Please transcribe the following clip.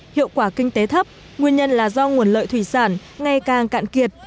hiệu quả kinh tế thấp nguyên nhân là do nguồn lợi thủy sản ngày càng cạn kiệt